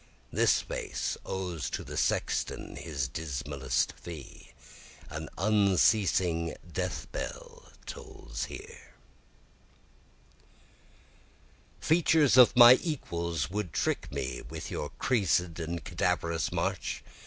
This face owes to the sexton his dismalest fee, An unceasing death bell tolls there. 3 Features of my equals would you trick me with your creas'd and cadaverous march?